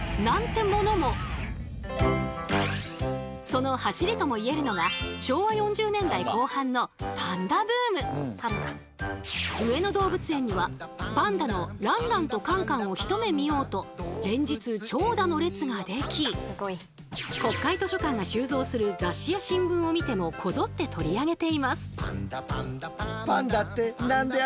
そのはしりとも言えるのが上野動物園にはパンダのランランとカンカンを一目見ようと連日長蛇の列ができ国会図書館が収蔵する雑誌や新聞を見てもこぞって取り上げています。